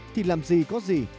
thì làm gì có gì